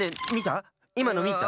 いまのみた？